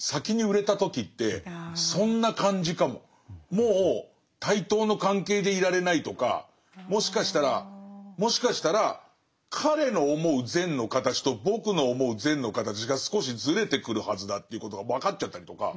もう対等の関係でいられないとかもしかしたらもしかしたら彼の思う善の形と僕の思う善の形が少しずれてくるはずだということが分かっちゃったりとか。